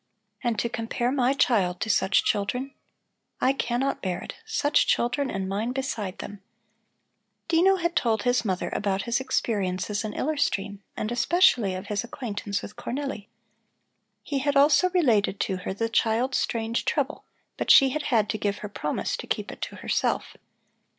"And to compare my child to such children. I cannot bear it! Such children, and mine beside them!" Dino had told his mother about his experiences in Iller Stream and especially of his acquaintance with Cornelli. He had also related to her the child's strange trouble, but she had had to give her promise to keep it to herself.